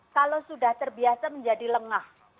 kalau sudah terbiasa menjadi lengah